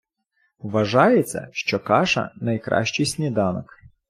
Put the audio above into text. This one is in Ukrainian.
Вважається, що каша — найкращий сніданок.